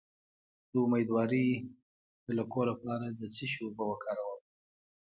د امیدوارۍ د لکو لپاره د څه شي اوبه وکاروم؟